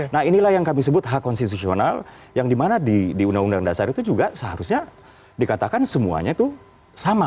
nah inilah yang kami sebut hak konstitusional yang dimana di undang undang dasar itu juga seharusnya dikatakan semuanya itu sama